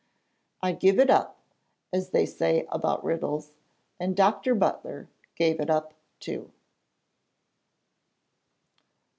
'I give it up,' as they say about riddles; and Dr. Butler 'gave it up,' too.